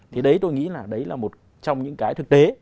thì đấy tôi nghĩ là một trong những cái thực tế